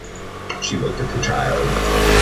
She looked at the child.